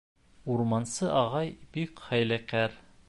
Урмансы ағай бик хәйләкәр.